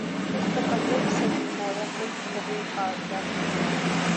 اس تکلف سے کہ گویا بت کدے کا در کھلا